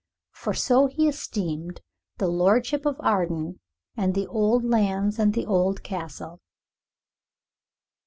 For so he esteemed the lordship of Arden and the old lands and the old Castle.